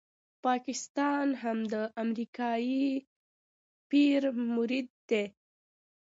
پاکستان هم د امریکایي پیر مرید دی.